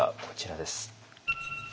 こちらです。